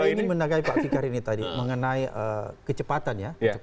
saya ingin menagahi pak fikar ini tadi mengenai kecepatan